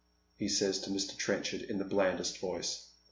" he says to Mr. Trenchard, in the blandest voice.